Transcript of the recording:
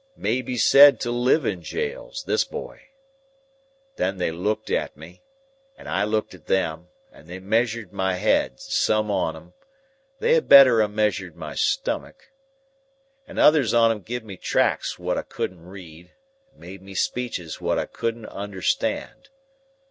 'May be said to live in jails, this boy.' Then they looked at me, and I looked at them, and they measured my head, some on 'em,—they had better a measured my stomach,—and others on 'em giv me tracts what I couldn't read, and made me speeches what I couldn't understand.